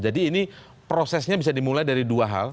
jadi ini prosesnya bisa dimulai dari dua hal